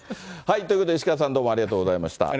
ということで、石川さん、どうもありがとうございました。